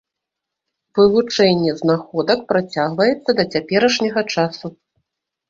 Вывучэнне знаходак працягваецца да цяперашняга часу.